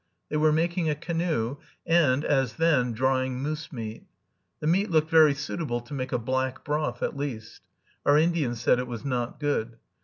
They were making a canoe, and, as then, drying moose meat. The meat looked very suitable to make a black broth at least. Our Indian said it was not good.